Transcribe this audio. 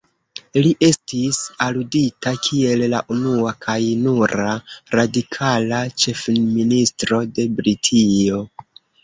Li estis aludita kiel "la unua kaj nura radikala Ĉefministro de Britio".